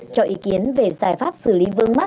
cho ý kiến về giải pháp xử lý vương mắc